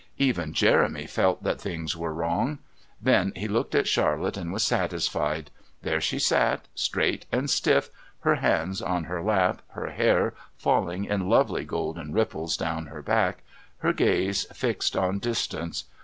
Even Jeremy felt that things were wrong. Then he looked at Charlotte and was satisfied. There she sat, straight and stiff, her hands on her lap, her hair falling in lovely golden ripples down her back, her gaze fixed on distance.